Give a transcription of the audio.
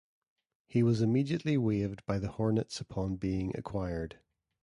He was immediately waived by the Hornets upon being acquired.